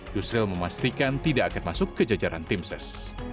yusril memastikan tidak akan masuk ke jajaran tim ses